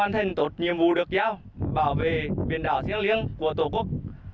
nên tốt nhiệm vụ được giao bảo vệ biển đảo thiên liêng của tổ quốc